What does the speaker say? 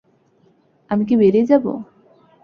আমি কি বেরিয়ে যাবো?